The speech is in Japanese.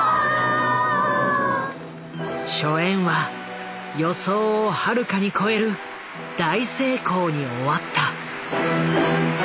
初演は予想をはるかに超える大成功に終わった。